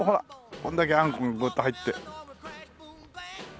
これだけあんこがグッと入って。